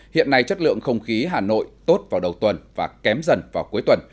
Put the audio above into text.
hiện nay chất lượng không khí hà nội tốt vào đầu tuần và kém dần vào cuối tuần